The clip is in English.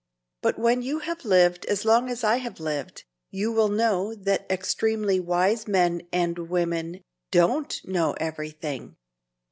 But when you have lived as long as I have lived, you will know that extremely wise men and women don't know everything.